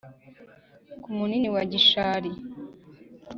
Ku Munini wa Gishari